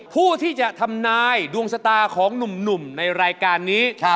ผู้ที่จะทำนายดวงชะตาของหนุ่มในรายการนี้